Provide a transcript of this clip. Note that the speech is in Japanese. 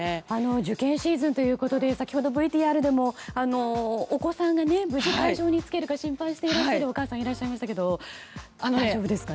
受験シーズンということで先ほど、ＶＴＲでもお子さんが無事、会場に着けるか心配しているお母さんがいらっしゃいましたけど大丈夫ですかね。